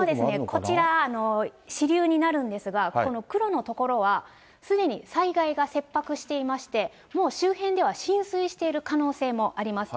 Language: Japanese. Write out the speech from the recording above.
こちら支流になるんですが、この黒の所は、すでに災害が切迫していまして、もう周辺では浸水している可能性もあります。